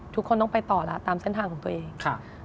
ทุกคนต้องไปต่อแล้วตามเส้นทางของตัวเอง